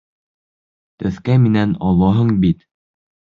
Төҫкә минән олоһоң бит!